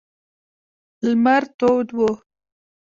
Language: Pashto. لمر تود و.